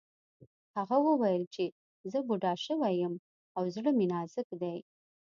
هغه وویل چې زه بوډا شوی یم او زړه مې نازک دی